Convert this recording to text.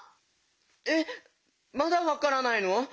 えっまだわからないの？